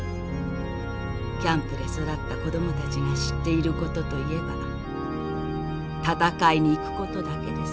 キャンプで育った子どもたちが知っている事といえば戦いに行く事だけです。